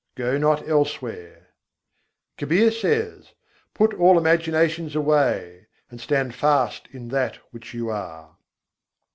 go not elsewhere, Kabîr says: "Put all imaginations away, and stand fast in that which you are."